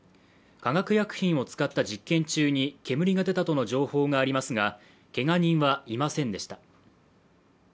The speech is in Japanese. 化学薬品を使った実験中に煙が出たとの情報がありましたがけが人はいませんでした。